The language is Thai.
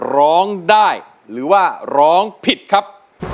ร้องได้หรือว่าร้องผิดครับ